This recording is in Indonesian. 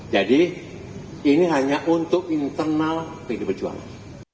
jadi ini hanya untuk internal pdi perjuangan